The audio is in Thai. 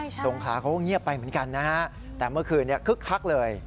สงขาเขาก็เงียบไปเหมือนกันนะฮะแต่เมื่อคืนนี้คึกคักเลย